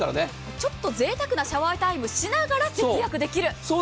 ちょっとぜいたくなシャワータイムしながら節約できる。